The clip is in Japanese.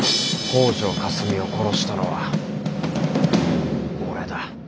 北條かすみを殺したのは俺だ。